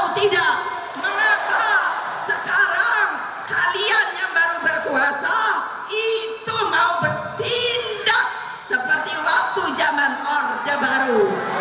tidak mengapa sekarang kalian yang baru berkuasa itu mau bertindak seperti waktu zaman orde baru